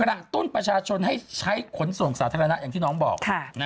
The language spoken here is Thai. กระตุ้นประชาชนให้ใช้ขนส่งสาธารณะอย่างที่น้องบอก